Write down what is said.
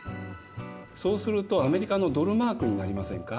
そうするとアメリカのドルマークになりませんか？